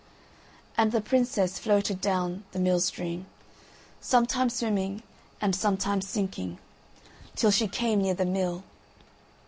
And the princess floated down the mill stream, sometimes swimming and sometimes sinking, till she came near the mill.